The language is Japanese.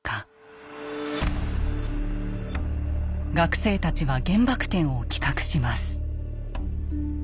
学生たちは原爆展を企画します。